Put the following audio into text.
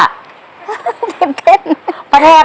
สิบติดประแถบ